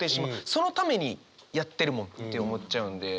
そのためにやってるもんって思っちゃうんで。